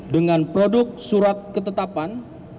dengan produk surat ketetapan